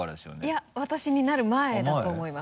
いや私になる前だと思います。